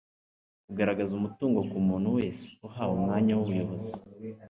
kugaragaza umutungo ku muntu wese uhawe umwanya w'ubuyobozi